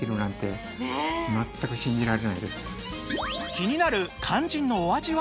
気になる肝心のお味は？